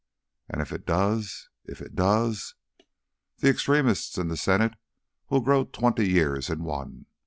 And if it does if it does... The extremists in the Senate will grow twenty years in one...